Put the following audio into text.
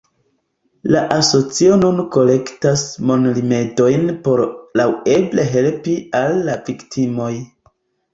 La asocio nun kolektas monrimedojn por laŭeble helpi al la viktimoj.